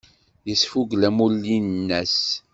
Yesfugel amulli-nnes.